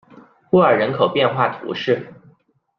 布尔人口变化图示